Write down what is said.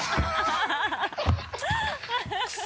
ハハハ